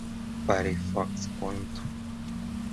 Firefox Quantum